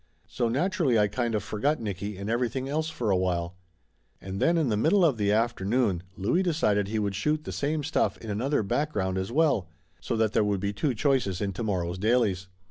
So naturally I kind of forgot Nicky and everything else for a while. And then in the middle of the afternoon Louie decided he would shoot the same stuff in another background as well, so that there would be two choices in tomorrow's dailies.